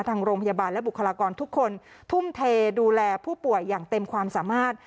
ทางโรงพยาบาลและบุคลากรทุกคนทุ่มเทดูแลผู้ป่วยอย่างเต็มความสามารถ